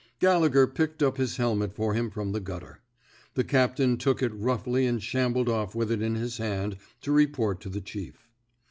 Gallegher picked up his helmet for him from the gutter. The captain took it roughly and shambled off with it in his hand to re port to the chief.